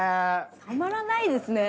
たまらないですね。